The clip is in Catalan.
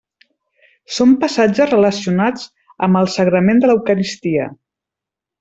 Són passatges relacionats amb el sagrament de l'eucaristia.